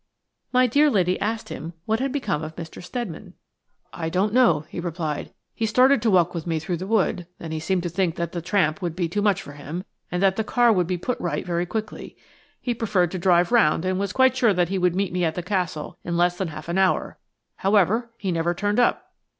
My dear lady asked him what had become of Mr. Steadman. "I don't know," he replied. "He started to walk with me through the wood, then he seemed to think that the tramp would be too much for him, and that the car could be put right very quickly. He preferred to drive round, and was quite sure that he would meet me at the Castle in less than half an hour. However, he never turned up."